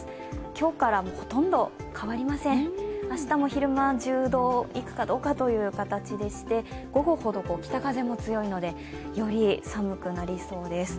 今日からほとんど変わりません、明日も昼間、１０度いくかどうかという形でして午後ほど北風も強いので、より寒くなりそうです。